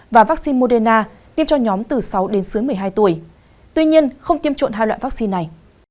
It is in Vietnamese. và vắc xin moderna tiêm cho nhóm từ sáu đến dưới một mươi hai tuổi tuy nhiên không tiêm chủng hai loại vắc xin này